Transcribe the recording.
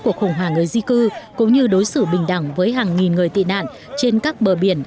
cuộc khủng hoảng người di cư cũng như đối xử bình đẳng với hàng nghìn người tị nạn trên các bờ biển